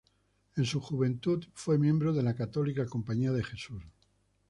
En su juventud, fue miembro de la católica Compañía de Jesús.